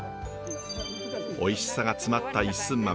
おいしさが詰まった一寸豆。